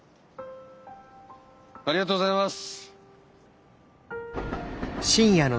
ありがとうございます。